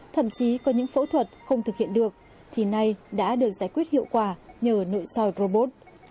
thậm chí có những phẫu thuật không thực hiện được thì nay đã được giải quyết hiệu quả nhờ nội soi robot